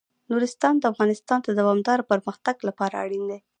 نورستان د افغانستان د دوامداره پرمختګ لپاره اړین دي.